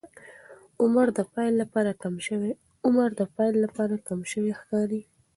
عمر د پیل لپاره کم شوی ښکاري.